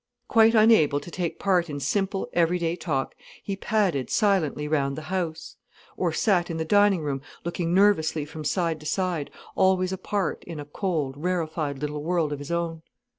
Quite unable to take part in simple everyday talk, he padded silently round the house, or sat in the dining room looking nervously from side to side, always apart in a cold, rarefied little world of his own.